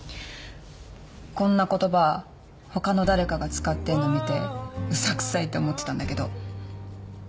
こんな言葉他の誰かが使ってんの見て嘘くさいって思ってたんだけど。